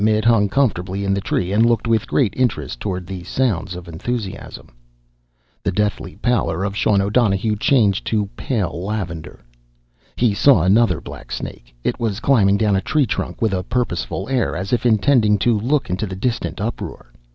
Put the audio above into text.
It hung comfortably in the tree and looked with great interest toward the sounds of enthusiasm. The deathly pallor of Sean O'Donohue changed to pale lavender. He saw another black snake. It was climbing down a tree trunk with a purposeful air, as if intending to look into the distant uproar.